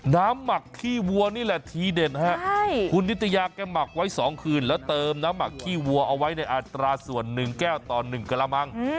หมักขี้วัวนี่แหละทีเด็ดฮะคุณนิตยาแกหมักไว้๒คืนแล้วเติมน้ำหมักขี้วัวเอาไว้ในอัตราส่วน๑แก้วต่อ๑กระมัง